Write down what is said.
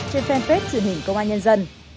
trên fanpage truyền hình công an nhân dân